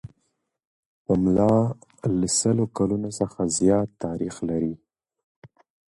پملا له سلو کلونو څخه زیات تاریخ لري.